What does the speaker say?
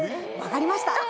分かりました！